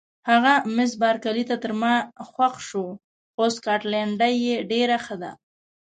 هغه مس بارکلي ته تر ما خوښ شوې، خو سکاټلنډۍ یې ډېره ښه ده.